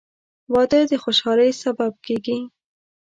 • واده د خوشحالۍ سبب کېږي.